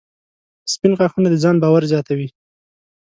• سپین غاښونه د ځان باور زیاتوي.